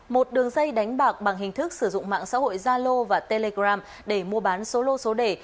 một đường dây đánh bạc bằng hình thức sử dụng mạng xã hội zalo và telegram để mua bán số lô số đề